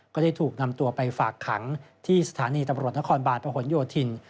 ก็ได้ถูกนำตัวไปฝากขังที่สถานีตำรวจนครบาลประหลโยธิน